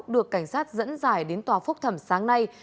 được cảnh sát dẫn dài đến tòa phúc thẩm sáng nay